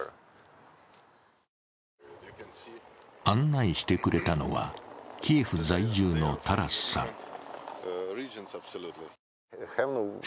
案内してくれたのはキエフ在住のタラスさん。